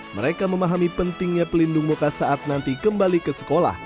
mereka memahami pentingnya pelindung muka saat nanti kembali ke sekolah